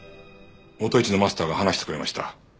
もと一のマスターが話してくれました。